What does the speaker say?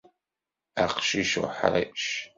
Aqcic uḥṛic.